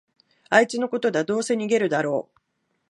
あいつのことだ、どうせ逃げるだろ